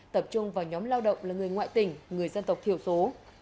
tập trung vào nhóm lao động là người ngoại tỉnh người dân tộc thiểu số